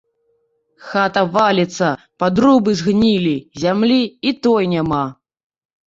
Хата валіцца, падрубы згнілі, зямлі і той няма.